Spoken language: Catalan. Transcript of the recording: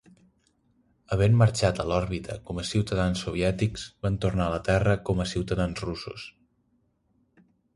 Havent marxat a l'òrbita com a ciutadans soviètics, van tornar a la Terra com a ciutadans russos.